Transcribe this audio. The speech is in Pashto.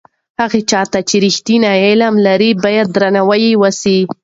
هغه چا ته چې رښتینی علم لري باید درناوی وسي.